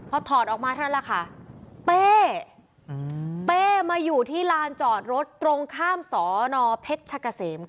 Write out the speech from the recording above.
พอถอดออกมาเท่านั้นแหละค่ะเป้เป้มาอยู่ที่ลานจอดรถตรงข้ามสนเพชรชะกะเสม